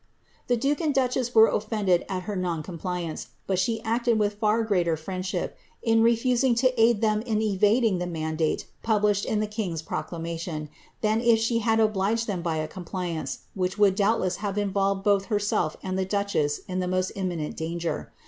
The duke and duchess were oiTended at her non compliance, but she acted with far greater friendship, in refusing to aid them in evading the mandate published in the king'^s proclamation, than if she had oblifed them by a compliance, which would doubtless have involved both hei^ self and the duchess in the most imminent danger.